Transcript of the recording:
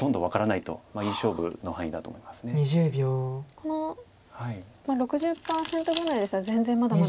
この６０％ぐらいでしたら全然まだまだ。